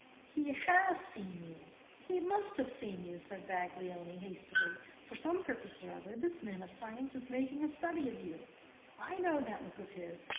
"He HAS seen you! he must have seen you!" said Baglioni, hastily. "For some purpose or other, this man of science is making a study of you. I know that look of his!